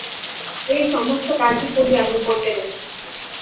এই সমস্ত কাজই করি আমি, বলতে গেলে।